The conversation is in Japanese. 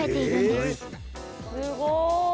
すごい！